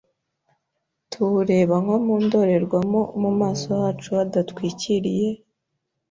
tubureba nko mu ndorerwamo mu maso hacu hadatwikiriye,